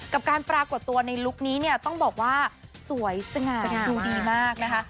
การปรากฏตัวในลุคนี้เนี่ยต้องบอกว่าสวยสง่าดูดีมากนะคะ